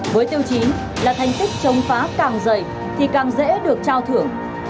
với tiêu chí là thành tích chống phá càng dày thì càng dễ được trao thưởng